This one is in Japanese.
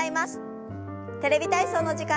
「テレビ体操」の時間です。